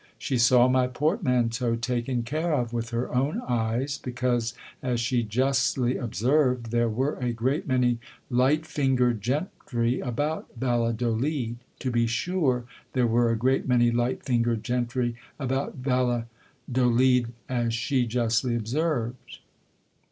She saw my portmanteau taken care of with her own eyes, because, as she justly observed, there were a great many light fingered gentry about Valladolid — to be sure there were a great many light fingered gentry about Valladolid, as she justly observed